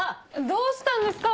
どうしたんですか？